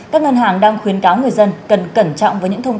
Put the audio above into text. các ngân hàng đang khuyến cáo người dân cần cẩn trọng